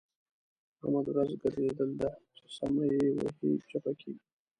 د احمد ورځ ګرځېدل ده؛ چې سمه يې وهي - چپه کېږي.